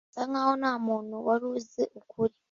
Birasa nkaho ntamuntu wari uzi ukuri